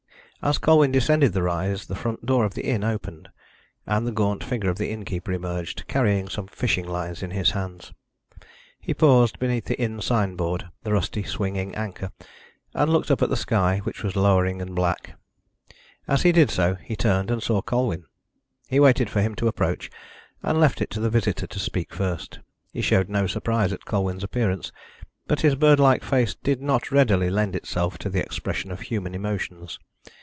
As Colwyn descended the rise the front door of the inn opened, and the gaunt figure of the innkeeper emerged, carrying some fishing lines in his hands. He paused beneath the inn signboard, the rusty swinging anchor, and looked up at the sky, which was lowering and black. As he did so, he turned, and saw Colwyn. He waited for him to approach, and left it to the visitor to speak first. He showed no surprise at Colwyn's appearance, but his bird like face did not readily lend itself to the expression of human emotions.